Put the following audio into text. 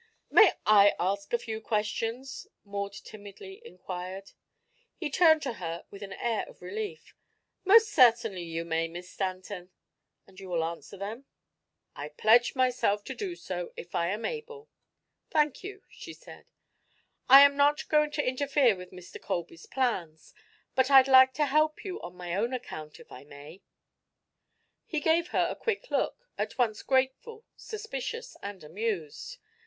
"May I ask a few questions?" Maud timidly inquired. He turned to her with an air of relief. "Most certainly you may, Miss Stanton." "And you will answer them?" "I pledge myself to do so, if I am able." "Thank you," she said. "I am not going to interfere with Mr. Colby's plans, but I'd like to help you on my own account, if I may." He gave her a quick look, at once grateful, suspicious and amused.